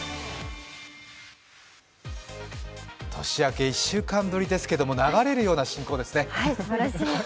年明け１週間ぶりですけれども、流れるような進行ですね。